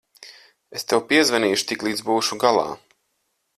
Es tev piezvanīšu, tiklīdz būšu galā.